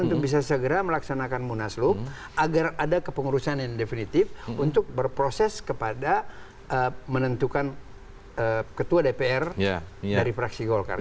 jadi kita bisa segera melaksanakan munaslub agar ada kepengurusan yang definitif untuk berproses kepada menentukan ketua dpr dari fraksi golkar